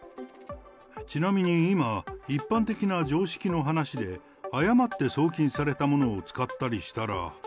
ちなみに今、一般的な常識の話で、誤って送金されたものを使ったりしたら。